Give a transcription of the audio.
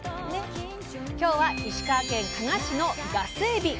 今日は石川県加賀市の「ガスエビ」。